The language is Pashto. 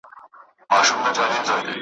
حتماً یې دا شعر هم لوستی دی ,